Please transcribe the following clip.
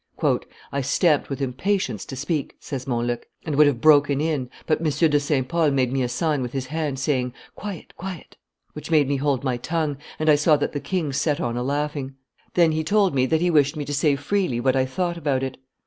"I stamped with impatience to speak," says Montluc, "and would have broken in; but M. de St. Pol made me a sign with his hand, saying, 'Quiet! quiet!' which made me hold my tongue, and I saw that the king set on a laughing. Then he told me that he wished me to say freely what I thought about it.